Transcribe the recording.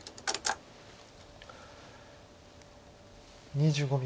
２５秒。